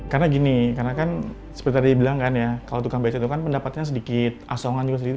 karena gini karena kan seperti tadi dibilang kan ya kalau tukang beca itu kan pendapatnya sedikit asongan juga sedikit